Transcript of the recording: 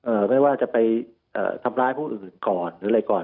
ไม่ว่าจะไปเอ่อทำร้ายผู้อื่นก่อนหรืออะไรก่อน